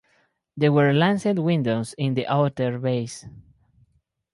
There were lancet windows in the outer bays.